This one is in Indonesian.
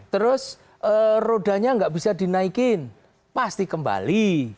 terus rodanya nggak bisa dinaikin pasti kembali